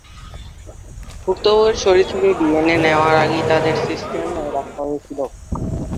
ভুক্তভোগীর শরীর থেকে ডিএনএ নেওয়া আগেই তাদের সিস্টেমে রাখা হয়েছিল।